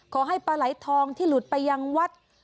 ปลาไหลทองที่หลุดไปยังวัด